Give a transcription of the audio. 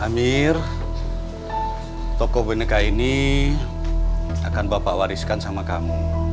amir toko boneka ini akan bapak wariskan sama kamu